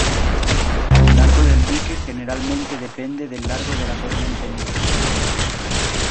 El largo del dique generalmente depende del largo de la corriente misma.